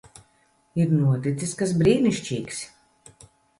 Ir noticis kas brīnišķīgs.